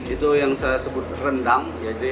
itu yang saya sebut rendang